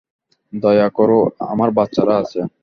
দয়া করো, আমার বাচ্চারা আছে।